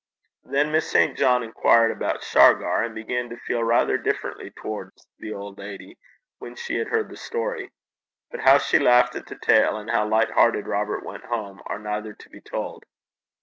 Then Miss St. John inquired about Shargar, and began to feel rather differently towards the old lady when she had heard the story. But how she laughed at the tale, and how light hearted Robert went home, are neither to be told.